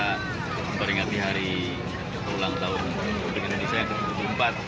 untuk ringgati hari ulang tahun pembangunan indonesia yang ke empat